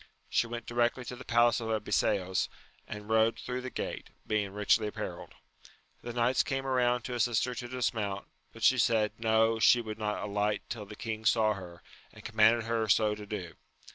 She went directly to the palace of Abiseos, and rode through the gate, being richly apparelled. The knights came around to assist her to dismount; but she said. No, she would not alight till the king saw her, and commanded her so to do.